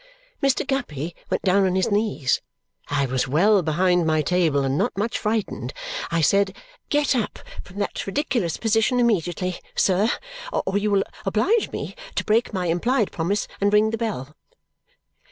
Mr. Guppy went down on his knees. I was well behind my table and not much frightened. I said, "Get up from that ridiculous position immediately, sir, or you will oblige me to break my implied promise and ring the bell!"